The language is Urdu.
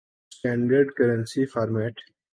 standard currency format